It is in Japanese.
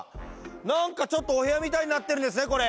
何かちょっとお部屋みたいになってるんですねこれ。